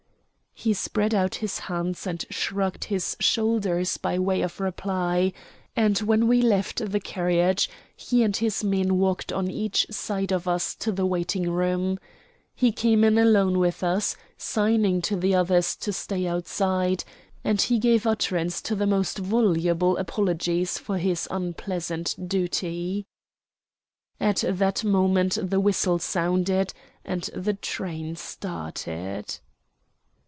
He spread out his hands and shrugged his shoulders by way of reply; and, when we left the carriage, he and his men walked on each side of us to the waiting room. He came in alone with us, signing to the others to stay outside, and he gave utterance to the most voluble apologies for his unpleasant duty. At that moment the whistle sounded, and the train started.